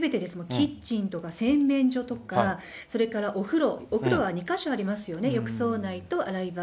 キッチンとか洗面所とか、それからお風呂、お風呂は２か所ありますよね、浴槽内と洗い場。